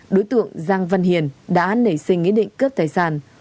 đối tượng giang văn hiền đã nảy sinh ý định cướp tài sản